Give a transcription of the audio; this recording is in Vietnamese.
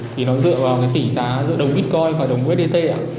thì nó dựa vào tỷ giá giữa đồng bitcoin và đồng usdt